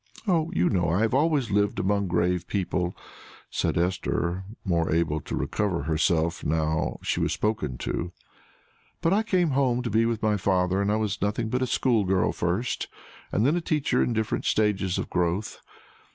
"Oh, you know I have always lived among grave people," said Esther, more able to recover herself now she was spoken to. "Before I came home to be with my father I was nothing but a school girl first, and then a teacher in different stages of growth.